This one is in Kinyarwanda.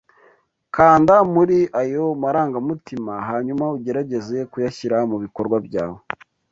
Kanda muri ayo marangamutima hanyuma ugerageze kuyashyira mubikorwa byawe